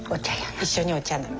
一緒にお茶飲む。